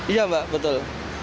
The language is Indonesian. iya mbak betul